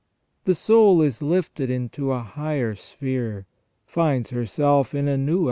The soul is lifted into a higher sphere, finds herself in a new * S.